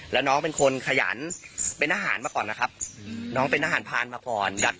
แล้วน้องเป็นคนขยันเป็นทหารมาก่อนนะครับน้องเป็นทหารพานมาก่อน